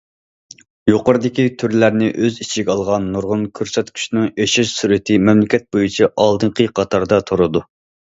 يۇقىرىدىكى تۈرلەرنى ئۆز ئىچىگە ئالغان نۇرغۇن كۆرسەتكۈچنىڭ ئېشىش سۈرئىتى مەملىكەت بويىچە ئالدىنقى قاتاردا تۇرىدۇ.